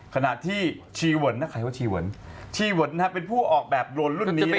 ขณะที่ชีวนใครว่าชีวนชีวนนะครับเป็นผู้ออกแบบโดรนรุ่นนี้นะครับ